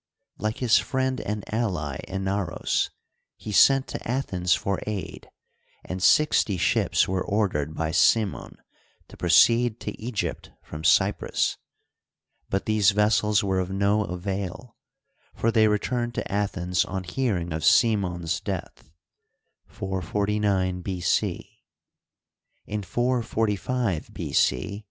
Like his friend and ally Inaros, he sent to Athens for aid, and sixty ships were ordered by Cimon to proceed to Egypt from Cyprus ; but these vessels were of no avail, for they returned to Athens on hearing of Cimon 's death (449 B. C.). In 445 B, C.